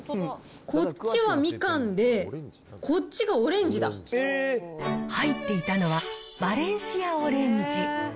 こっちはみかんで、こっちがオレ入っていたのは、バレンシアオレンジ。